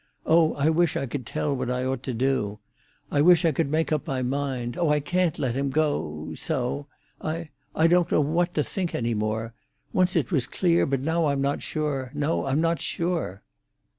Oh, I wish I could tell what I ought to do! I wish I could make up my mind. Oh, I can't let him go—so. I—I don't know what to think any more. Once it was clear, but now I'm not sure; no, I'm not sure."